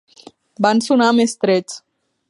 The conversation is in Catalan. Van sonar més trets.